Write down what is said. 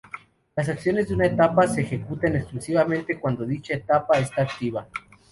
Las acciones de una etapa se ejecutan exclusivamente cuando dicha etapa está activa.